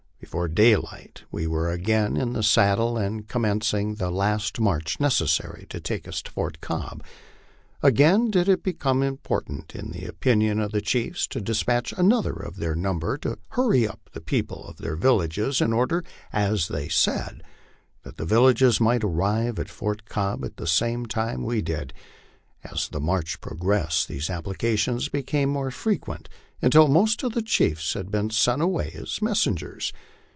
Before daylight we were again in the saddle and commenc ing the last march necessary to take us to Fort Cobb. Again did it become important, in the opinion of the chiefs, to despatch another of their number to hurry up the people of their villages, in order, as they said, that the vil lages might arrive at Fort Cobb at the same time we did. As the march progressed these applications became more frequent, until most of the chiefs had been sent away as messengers.